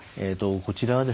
こちらはですね